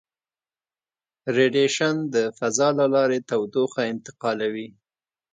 ریډیشن د فضا له لارې تودوخه انتقالوي.